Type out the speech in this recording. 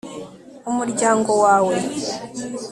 umuryango wawe